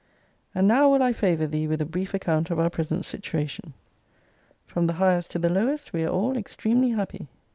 And now will I favour thee with a brief account of our present situation. From the highest to the lowest we are all extremely happy.